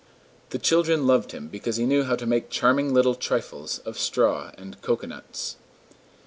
The children loved him because he knew how to make charming little trifles of straw and cocoanuts.